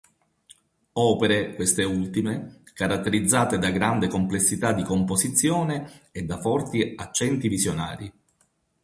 Opere, queste ultime, caratterizzate da grande complessità di composizione, e da forti accenti visionari.